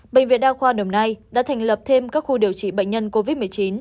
bệnh viện đa khoa đồng nai đã thành lập thêm các khu điều trị bệnh nhân covid một mươi chín